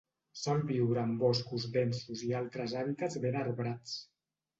Sol viure en boscos densos i altres hàbitats ben arbrats.